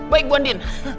baik bu andien